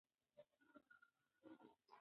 ماشوم په سوې ساه سره د خپل پلار نوم واخیست.